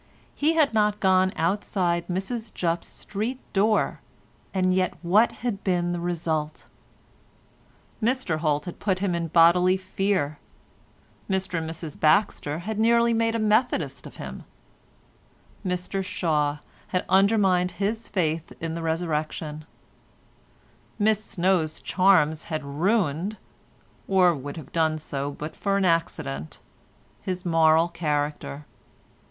He had not gone outside Mrs Jupp's street door, and yet what had been the result? Mr Holt had put him in bodily fear; Mr and Mrs Baxter had nearly made a Methodist of him; Mr Shaw had undermined his faith in the Resurrection; Miss Snow's charms had ruined—or would have done so but for an accident—his moral character.